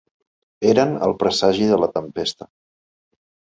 Eren el presagi de la tempesta.